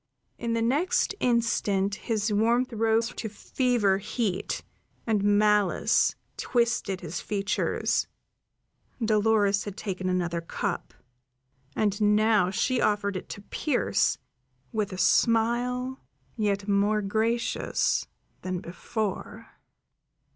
In the next instant his warmth rose to fever heat, and malice twisted his features; Dolores had taken another cup, and now she offered it to Pearse, with a smile yet more gracious than before.